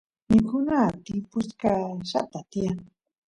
mikuna timpuchkaqllata tiyan